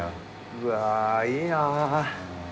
うわいいな。